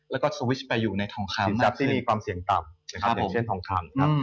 และก็สวิชไปอยู่ในทองครรม